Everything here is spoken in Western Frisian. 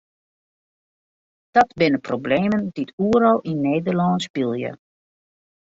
Dat binne problemen dy't oeral yn Nederlân spylje.